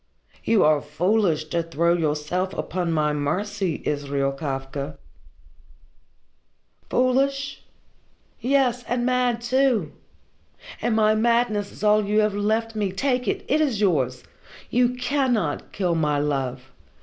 You are foolish to throw yourself upon my mercy, Israel Kafka." "Foolish? Yes, and mad, too! And my madness is all you have left me take it it is yours! You cannot kill my love.